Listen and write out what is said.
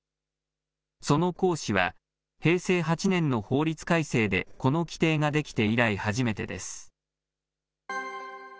その行使は、平成８年の法律改正でこの規定が出来て以来初めてです。